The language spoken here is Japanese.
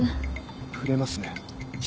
触れますね。